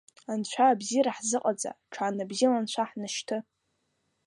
Анцәа абзиара ҳзыҟаҵа, ҽаанбзиала Анцәа ҳнашьҭы!